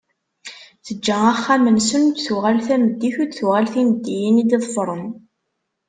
Teǧǧa axxam-nsen, ur d-tuɣal tameddit, ur d-tuɣal timeddiyin i d-iḍefren.